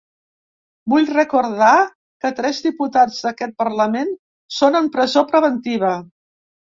Vull recordar que tres diputats d’aquest parlament són en presó preventiva.